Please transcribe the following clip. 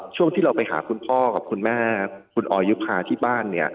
ช่วงที่เราไปหาคุณพ่อกับคุณแม่คุณออยุภาที่บ้านเนี่ย